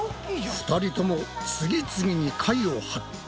２人とも次々に貝を発見！